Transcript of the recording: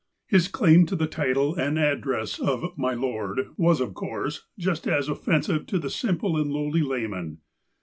His claim to the title and address of " My Lord " was, of course, just as offensive to the simple and lowly layman.